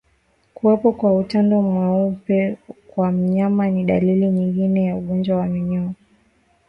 Kuwepo kwa utando mweupe kwa mnyama ni dalili nyingine ya ugonjwa wa minyoo